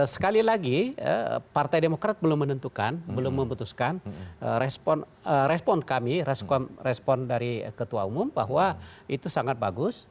sekali lagi partai demokrat belum menentukan belum memutuskan respon kami respon dari ketua umum bahwa itu sangat bagus